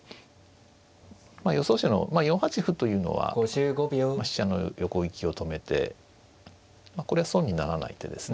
まあ予想手の４八歩というのは飛車の横利きを止めてこれは損にならない手ですね。